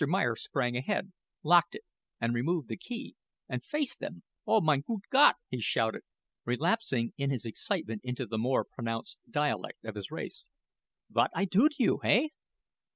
Meyer sprang ahead, locked it and removed the key, and faced them. "Oh, mine goot Gott," he shouted, relapsing in his excitement into the more pronounced dialect of his race; "vwhat I do to you, hey?